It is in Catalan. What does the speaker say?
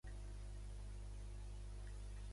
Jacinto Antón és un periodista nascut a Barcelona.